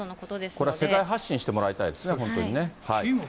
これは世界発信してもらいたいですね、本当にね。